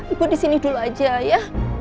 ibu di sini dulu aja ya